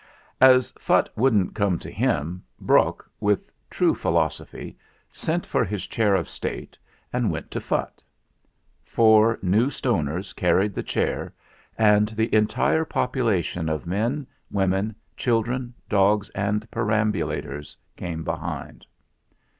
As Phutt wouldn't come to him, Brok, with true philosophy, sent for his chair of State and went to Phutt. Four New Stoners carried the chair, and the entire population of men, women, children, dogs, and perambulators came behind.